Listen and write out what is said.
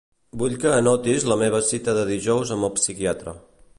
Vull que anotis la meva cita de dijous amb el psiquiatre.